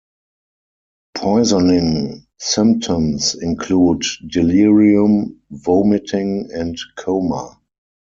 Poisoning symptoms include delirium, vomiting, and coma.